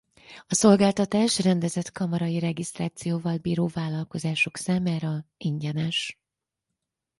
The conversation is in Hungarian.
A szolgáltatás rendezett kamarai regisztrációval bíró vállalkozások számára ingyenes.